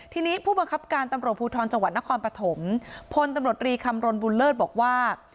ทีนี้ผู้บังคับการตำรวจภูทรจังหวัดนครปฐมพลตำรวจรีคำรณบุญเลิศบอกว่า